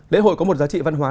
lễ hội có một giá trị văn hóa